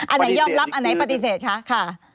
อันไหนยอมรับอันไหนปฏิเสธคะค่ะ